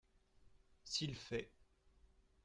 S’il fait.